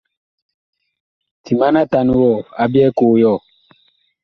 Timan atan wɔ a byɛɛ koo yɔɔ.